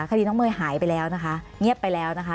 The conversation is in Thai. คดีน้องเมย์หายไปแล้วนะคะเงียบไปแล้วนะคะ